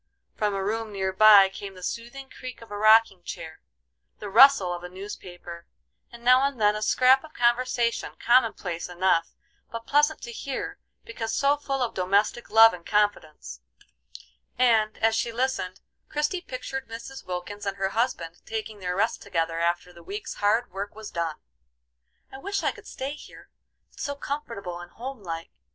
From a room near by, came the soothing creak of a rocking chair, the rustle of a newspaper, and now and then a scrap of conversation common place enough, but pleasant to hear, because so full of domestic love and confidence; and, as she listened, Christie pictured Mrs. Wilkins and her husband taking their rest together after the week's hard work was done. "I wish I could stay here; it's so comfortable and home like.